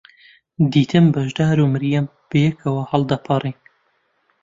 دیتم بەشدار و مەریەم بەیەکەوە هەڵدەپەڕین.